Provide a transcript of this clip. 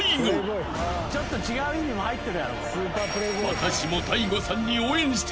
［私も］